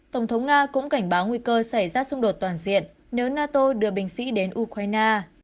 tổng thống nga cũng cảnh báo nguy cơ xảy ra xung đột toàn diện nếu nato đưa binh sĩ đến ukraine